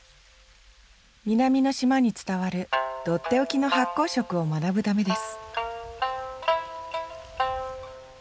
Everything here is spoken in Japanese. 南の島に伝わるとっておきの発酵食を学ぶためです